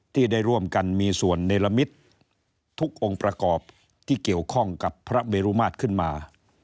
ที่ได้ร่วมกันมีส่วนเนรมิตทุกองค์ประกอบที่เกี่ยวข้องกับพระเมรุมาตรขึ้นมา